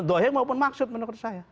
dohir maupun maksud menurut saya